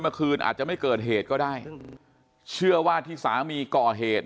เมื่อคืนอาจจะไม่เกิดเหตุก็ได้เชื่อว่าที่สามีก่อเหตุ